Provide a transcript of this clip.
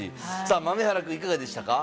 豆原くん、いかがでしたか？